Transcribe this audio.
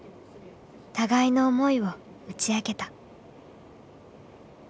互いの思いを打ち明けた。